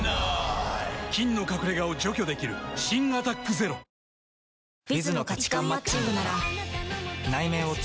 菌の隠れ家を除去できる新「アタックＺＥＲＯ」なんか綺麗になった？